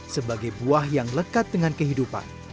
sebagai buah yang lekat dengan kehidupan